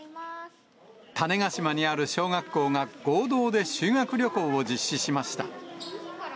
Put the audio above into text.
種子島にある小学校が合同で修学旅行を実施しました。